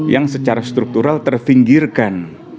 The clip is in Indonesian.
yang secara struktural terfinggirkan